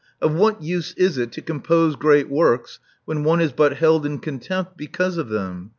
Of what use is it to compose great works when one is but held in contempt because of them?